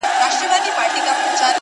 په دې وطن کي هيڅ د گلو کر نه دی په کار;